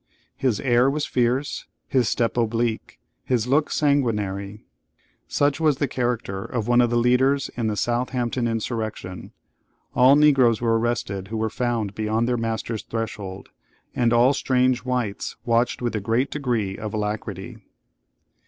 His air was fierce, his step oblique, his look sanguinary. Such was the character of one of the leaders in the Southampton insurrection. All Negroes were arrested who were found beyond their master's threshhold, and all strange whites watched with a great degree of alacrity.